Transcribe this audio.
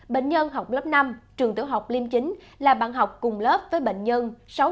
bệnh nhân học lớp năm trường tiểu học liêm chính là bạn học cùng lớp với bệnh nhân sáu trăm chín mươi sáu một trăm bốn mươi bốn